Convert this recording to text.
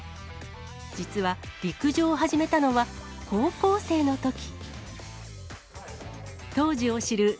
実は、陸上を始めたのは高校生のとき。